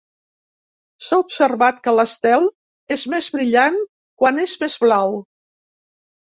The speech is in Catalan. S'ha observat que l'estel és més brillant quan és més blau.